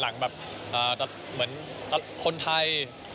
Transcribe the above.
หลังเหมือนคนไทย